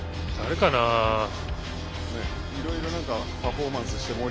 いろいろパフォーマンスして。